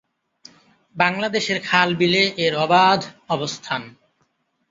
বাংলাদেশের খাল বিলে এর অবাধ অবস্থান।